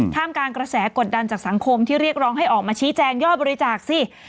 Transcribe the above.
ท่ามกลางกระแสกดดันจากสังคมที่เรียกร้องให้ออกมาชี้แจงยอดบริจาคสิ